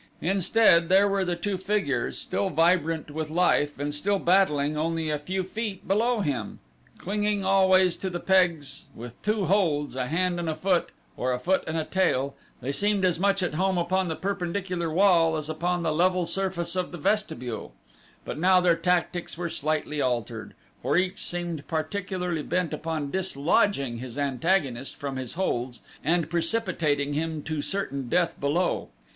Instead, there were the two figures still vibrant with life and still battling only a few feet below him. Clinging always to the pegs with two holds a hand and a foot, or a foot and a tail, they seemed as much at home upon the perpendicular wall as upon the level surface of the vestibule; but now their tactics were slightly altered, for each seemed particularly bent upon dislodging his antagonist from his holds and precipitating him to certain death below.